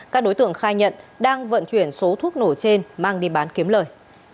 các đối tượng khai nhận đang vận chuyển số thuốc nổ trên mang đi bán kiếm lời